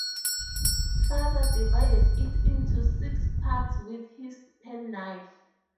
Father divided it into six parts with his penknife.